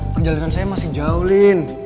perjalanan saya masih jauh lin